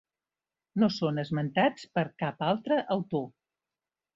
No són esmentats per cap altre autor.